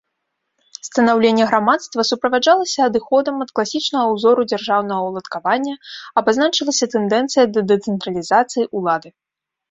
Станаўленне грамадства суправаджалася адыходам ад класічнага ўзору дзяржаўнага ўладкавання, абазначылася тэндэнцыя да дэцэнтралізацыі ўлады.